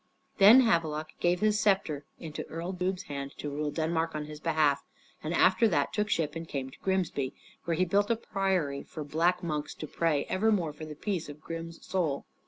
Then Havelok gave his scepter into Earl Ubbe's hand to rule Denmark on his behalf, and after that took ship and came to Grimsby, where he built a priory for black monks to pray evermore for the peace of Grim's soul.